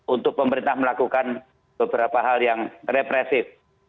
untuk pemerintah melakukan beberapa hal yang represif